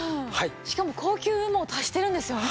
しかも高級羽毛を足してるんですよね？